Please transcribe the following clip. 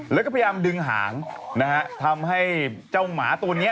แล้วก็พยายามดึงหางนะฮะทำให้เจ้าหมาตัวนี้